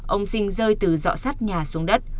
ông sinh rơi từ dọ sát nhà xuống đất